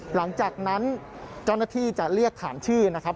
หลังจากนั้นเจ้าหน้าที่จะเรียกถามชื่อนะครับ